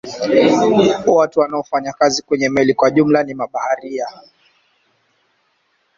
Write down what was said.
Watu wanaofanya kazi kwenye meli kwa jumla ni mabaharia.